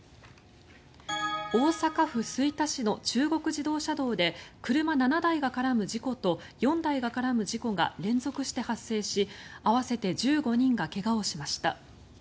大阪府吹田市の中国自動車道で車７台が絡む事故と４台が絡む事故が連続して発生し合わせて１５人が怪我をしました。